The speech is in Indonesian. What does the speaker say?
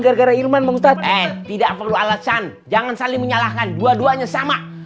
gara gara irman mengusahakan tidak perlu alasan jangan saling menyalahkan dua duanya sama